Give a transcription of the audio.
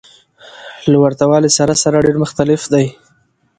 له ورته والي سره سره ډېر مختلف دى.